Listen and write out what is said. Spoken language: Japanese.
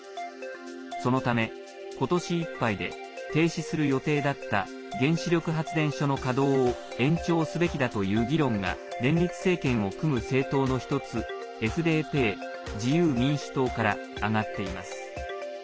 そのため、ことしいっぱいで停止する予定だった原子力発電所の稼働を延長すべきだという議論が連立政権を組む政党の１つＦＤＰ＝自由民主党から上がっています。